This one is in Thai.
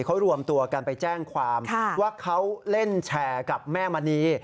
เขารวมตัวกันไปแจ้งความว่าเขาเล่นแชร์กับแม่มณี